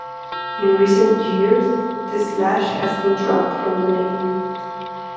In recent years, the slash has been dropped from the name.